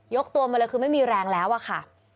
กตัวมาเลยคือไม่มีแรงแล้วอะค่ะ